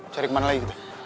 cari kemana lagi kita